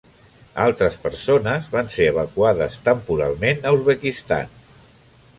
Altres persones van ser evacuades temporalment a Uzbekistan.